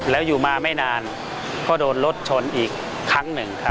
แล้วอยู่มาไม่นานก็โดนรถชนอีกครั้งหนึ่ง